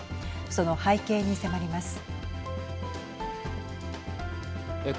その背景に迫ります。